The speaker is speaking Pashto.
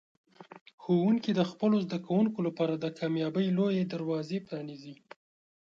ښوونکي د خپلو زده کوونکو لپاره د کامیابۍ لوی دروازه پرانیزي.